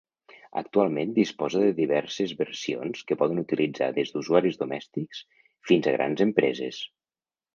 Actualment disposa de diverses versions que poden utilitzar des d'usuaris domèstics fins a grans empreses.